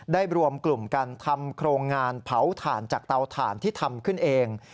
รวมกลุ่มกันทำโครงงานเผาถ่านจากเตาถ่านที่ทำขึ้นเอง